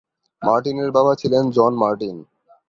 মার্টিনের বাবা ছিলেন জন মার্টিন।